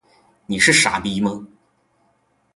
你是傻逼吗？